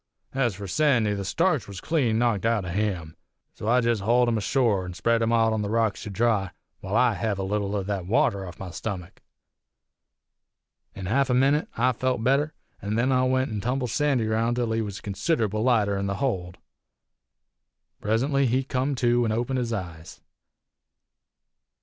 Ez for Sandy, the starch was clean knocked out o' him, so I jest hauled him ashore an' spread him out on the rocks to dry while I hev a leetle o' thet water off my stummick. In half a minit I felt better, an' then I went an' tumbled Sandy roun' till he was considerable lighter in the hold. Presently he come to an' opened his eyes.